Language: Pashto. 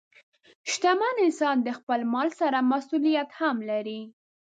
شتمن انسان د خپل مال سره مسؤلیت هم لري.